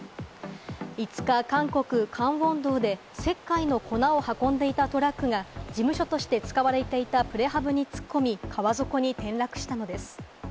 ５日、韓国・カンウォン道で石灰の粉を運んでいたトラックが事務所として使われていたプレハブに突っ込み、川底に転落したのです。